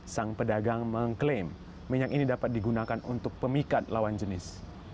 sang pedagang mengklaim minyak ini dapat digunakan untuk pemikat lawan jenis